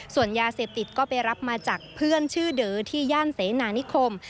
ส่วนยาเสพติดก็ไปรับมาจากเพื่อนชื่อเดอที่ย่านเสนานิคม